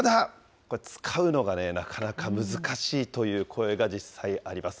ただ、使うのがなかなか難しいという声が実際あります。